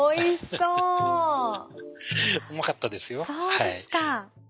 そうですか。